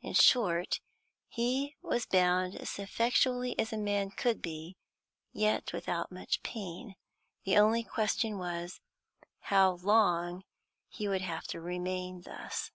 In short, he was bound as effectually as a man could be, yet without much pain. The only question was, how long he would have to remain thus.